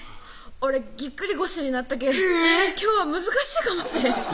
「俺ギックリ腰になったけぇ今日は難しいかもしれん」